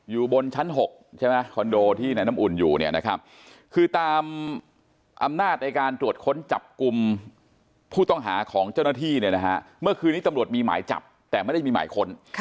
อยู่บนชั้น๖ใช่ไหมคอนโดที่ในน้ำอุ่นอยู่เนี่ยนะครับคือตามอำนาจในการตรวจค้นจับกลุ่มผู้ต้องหาของเจ้าหน้าที่เนี่ยนะฮะเมื่อคืนนี้ตำรวจมีหมายจับแต่ไม่ได้มีหมายค้น